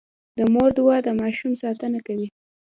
د مور دعا د ماشوم ساتنه کوي.